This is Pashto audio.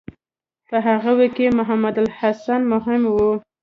په هغوی کې محمودالحسن مهم و.